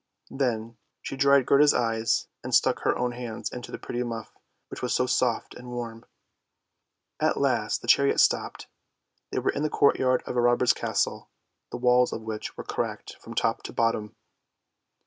Then she dried Gerda's eyes, and stuck her own hands into the pretty muff, which was so soft and warm. At last the chariot stopped; they were in the courtyard of a robber's castle, the walls of which were cracked from top to bottom.